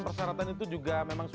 memikirkan ide baru